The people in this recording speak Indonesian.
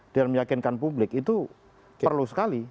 dan meyakinkan publik itu perlu sekali